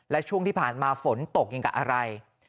และช่วงที่ผ่านมาฝนตกอย่างกับอะไร